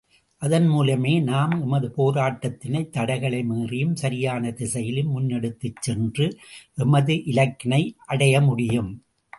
அதன்மூலமே நாம், எமது போராட்டத்தினை தடைகளை மீறியும், சரியான திசையிலும் முன்னெடுத்துச் சென்று, எமது இலக்கினை அடைய முடியும்.